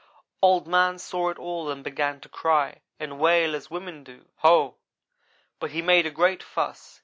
"Old man saw it all and began to cry and wail as women do. Ho! but he made a great fuss.